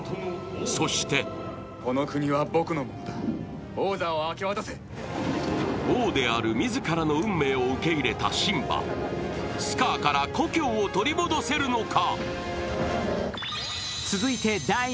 そして王である自らの運命を受け入れたシンバ、スカーから故郷を取り戻せるのか。